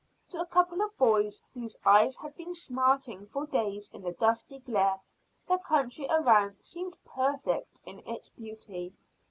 To a couple of boys whose eyes had been smarting for days in the dusty glare, the country around seemed perfect in its beauty.